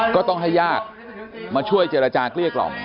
ก็ต้องให้ญาติมาช่วยเจรจาเกลี้ยกล่อม